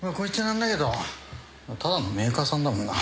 なんだけどただのメーカーさんだもんな。